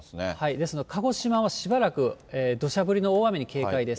ですので、鹿児島はしばらくどしゃ降りの大雨に警戒です。